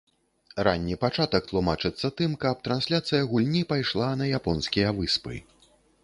Ранні пачатак тлумачыцца тым, каб трансляцыя гульні пайшла на японскія выспы.